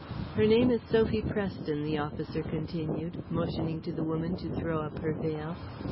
"Her name is Sophie Preston," the officer continued, motioning to the woman to throw up her veil.